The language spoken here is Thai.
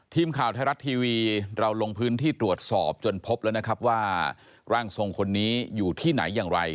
ทีมข่าวไทยรัฐทีวีเราลงพื้นที่ตรวจสอบจนพบแล้วนะครับว่าร่างทรงคนนี้อยู่ที่ไหนอย่างไร